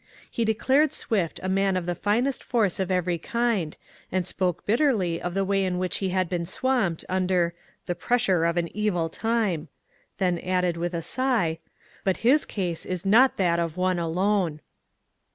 He declared Swift a man of the finest force of every kind, and spoke bitterly of the way in which he had been swamped under ^' the pressure of an evil time," then added with a sigh, *^ but his case is not that of one alone."